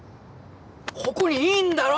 ここにいんだろ！